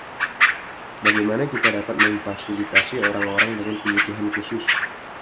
Bagaimana kita dapat memfasilitasi orang-orang dengan kebutuhan khusus?